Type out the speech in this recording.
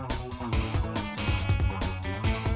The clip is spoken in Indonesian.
aduh aduh aduh aduh